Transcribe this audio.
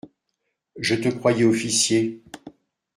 Je te croyais officier.